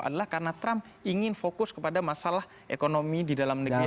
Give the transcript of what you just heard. adalah karena trump ingin fokus kepada masalah ekonomi di dalam negeri